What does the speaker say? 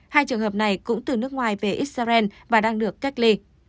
hai trường hợp này cũng từ nước ngoài về israel và đang được cách ly